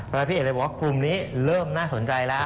เวลาพี่เอ็ดมันว่ากลุ่มนี้เริ่มน่าสนใจแล้ว